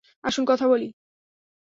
আসুন কথা বলি।